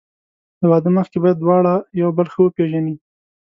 له واده مخکې باید دواړه یو بل ښه وپېژني.